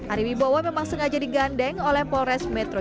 ari wibowo memang sengaja digandeng oleh polres metro